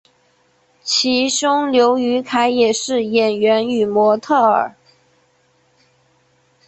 其兄刘雨凯也是演员与模特儿。